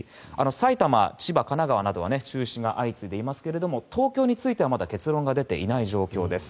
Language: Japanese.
埼玉、千葉、神奈川などは中止が相次いでいますが東京についてはまだ結論が出ていない状況です。